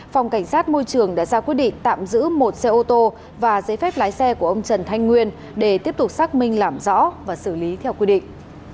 phòng cảnh sát môi trường đã ra quyết định tạm giữ một xe ô tô và giấy phép lái xe của ông trần thanh nguyên để tiếp tục xác minh làm rõ và xử lý theo quy định